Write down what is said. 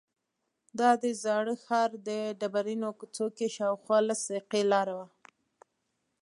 دا د زاړه ښار په ډبرینو کوڅو کې شاوخوا لس دقیقې لاره وه.